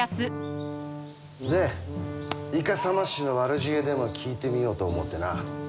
でイカサマ師の悪知恵でも聞いてみようと思うてな。